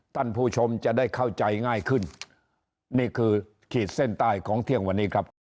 ท่านผู้ชมจะได้เข้าใจง่ายขึ้นนี่คือขีดเส้นใต้ของเที่ยงวันนี้ครับ